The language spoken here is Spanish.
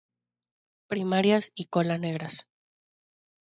Primarias y cola negras.